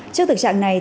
trước tình trạng này